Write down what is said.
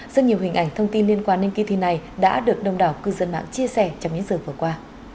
rất nhiều hình ảnh thông tin liên quan đến kỳ thi này đã được đông đảo cư dân mạng chia sẻ trong những giờ vừa qua